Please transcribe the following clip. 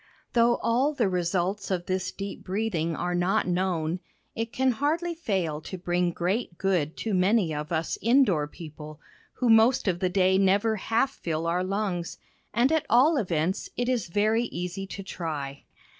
Though all the results of this deep breathing are not known, it can hardly fail to bring great good to many of us in door people, who most of the day never half fill our lungs, and at all events it is very easy to try.